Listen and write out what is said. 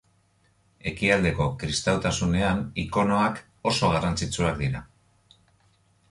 Ekialdeko kristautasunean ikonoak oso garrantzitsuak dira.